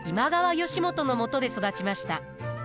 義元のもとで育ちました。